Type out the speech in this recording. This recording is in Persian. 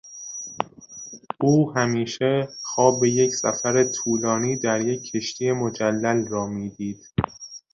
او همیشه خواب یک سفر طولانی در یک کشتی مجلل را میدید.